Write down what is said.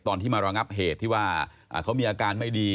ตอนที่มาระงับเหตุที่ว่าเขามีอาการไม่ดี